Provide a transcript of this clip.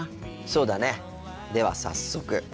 そうだねでは早速。